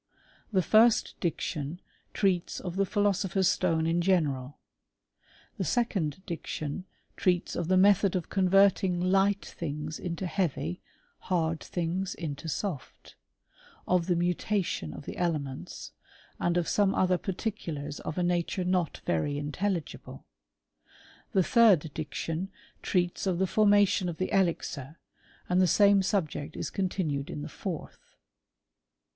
The first diction treats of the philosopher's stone in general ; the second diction treats of the method of converting light things into heavy, hard things into soft ; of the mutation of the elements ; and of some other particulars of a nature not very intelligible. The third diction treats of the for mation of the elixir ; and the same subject is con tinued in the fourth.